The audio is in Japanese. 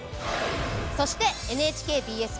そしてＮＨＫＢＳ